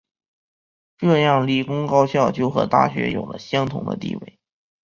这样理工高校就和大学有了相同的地位。